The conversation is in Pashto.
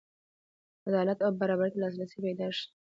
عدالت او برابرۍ ته لاسرسی پیدا شي.